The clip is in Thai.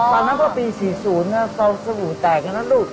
ตอนนั้นพอปี๔๐ตอนสมุยแตกแล้วลูก